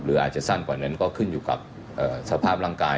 อาจจะสั้นกว่านั้นก็ขึ้นอยู่กับสภาพร่างกาย